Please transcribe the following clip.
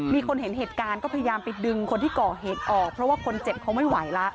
มีคนเห็นเหตุการณ์ก็พยายามไปดึงคนที่ก่อเหตุออกเพราะว่าคนเจ็บเขาไม่ไหวแล้ว